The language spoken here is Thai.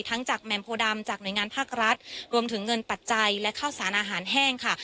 จากแมมโพดำจากหน่วยงานภาครัฐรวมถึงเงินปัจจัยและข้าวสารอาหารแห้งค่ะ